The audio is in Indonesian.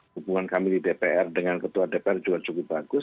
hubungan kami di dpr dengan ketua dpr juga cukup bagus